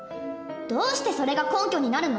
どうしてそれが根拠になるの？